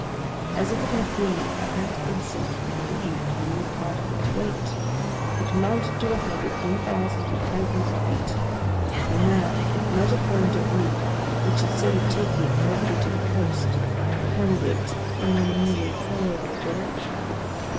As if it had been at that instant relieved of a new part of its weight, it mounted to a height of 1,500 feet, and here it met a current of wind, which instead of taking it directly to the coast, carried it in a nearly parallel direction.